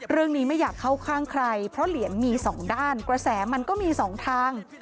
ไม่อยากเข้าข้างใครเพราะเหรียญมีสองด้านกระแสมันก็มีสองทาง